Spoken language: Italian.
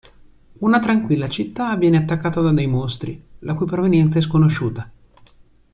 Una tranquilla città viene attaccata da dei mostri, la cui provenienza è sconosciuta.